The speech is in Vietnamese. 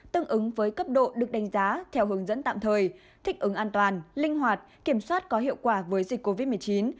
tương ứng với cấp độ được đánh giá theo hướng dẫn tạm thời thích ứng an toàn linh hoạt kiểm soát có hiệu quả với dịch covid một mươi chín